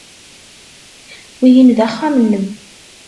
Wihin d axxam-nnem.